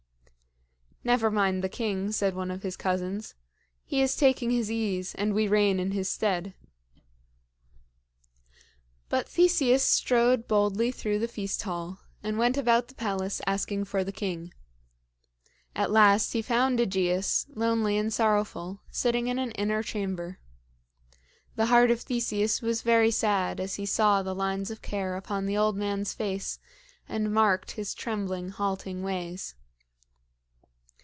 "Never mind the king," said one of his cousins. "He is taking his ease, and we reign in his stead." But Theseus strode boldly through the feast hall and went about the palace asking for the king. At last he found AEgeus, lonely and sorrowful, sitting in an inner chamber. The heart of Theseus was very sad as he saw the lines of care upon the old man's face, and marked his trembling, halting ways.